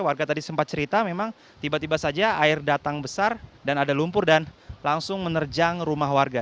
warga tadi sempat cerita memang tiba tiba saja air datang besar dan ada lumpur dan langsung menerjang rumah warga